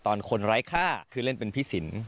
คนไร้ค่าคือเล่นเป็นพี่สิน